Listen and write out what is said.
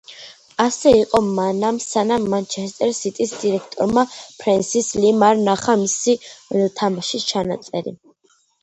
ასე იყო მანამ, სანამ „მანჩესტერ სიტის“ დირექტორმა, ფრენსის ლიმ არ ნახა მისი თამაშის ჩანაწერი.